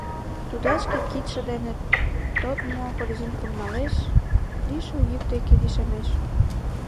Тудат шке кидше дене тодмо корзинкым налеш, лишыл йӱк деке лишемеш.